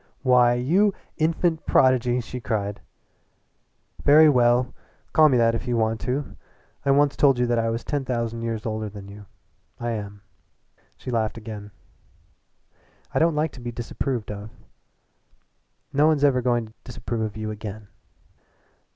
"Why, you infant prodigy!" she cried. "Very well, call me that if you want to. I once told you that I was ten thousand years older than you I am." She laughed again. "I don't like to be disapproved of." "No one's ever going to disapprove of you again."